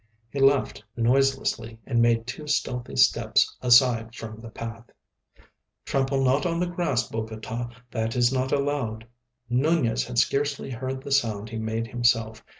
He laughed noiselessly and made two stealthy steps aside from the path. "Trample not on the grass, Bogota; that is not allowed." Nunez had scarcely heard the sound he made himself.